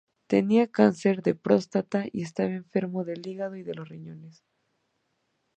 Tenía cáncer de próstata y estaba enfermo del hígado y de los riñones.